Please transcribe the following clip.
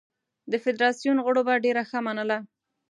د فدراسیون غړو به ډېره ښه منله.